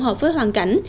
phù hợp với hoàn cảnh